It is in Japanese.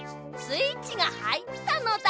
スイッチがはいったのだ。